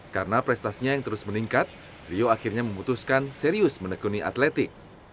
karena prestasinya yang terus meningkat rio akhirnya memutuskan serius menekuni atletik